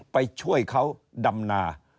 ไปช่วยเขาดำนา